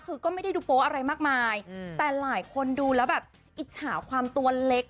คือก็ไม่ได้ดูโป๊อะไรมากมายแต่หลายคนดูแล้วแบบอิจฉาความตัวเล็ก